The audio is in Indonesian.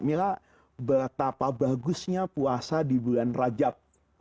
mila betapa bagusnya puasa di bulan rajab